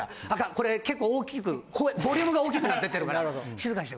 これ結構大きく声ボリュームが大きくなってってるから。